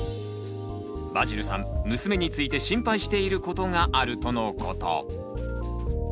バジルさん娘について心配していることがあるとのこと。